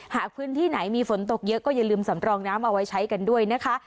หากพื้นที่ไหนมีฝนตกเยอะก็อย่าลืมสำรองน้ำเอาไว้ใช้กันด้วยนะคะ